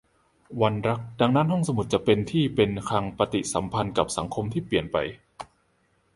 วันรัก : ดังนั้น ห้องสมุดจะเป็นที่เป็นคลังปฏิสัมพันธ์กับสังคมที่เปลี่ยนไป